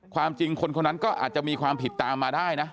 ความจริงคนคนนั้นก็อาจจะมีความผิดตามมาได้นะ